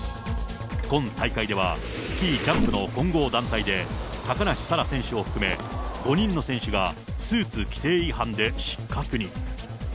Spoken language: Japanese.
今大会では、スキージャンプの混合団体で、高梨沙羅選手を含め、５人の選手がスーツ規定違反で失格に。